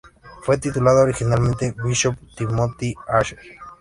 Fue titulada originalmente "Bishop Timothy Archer".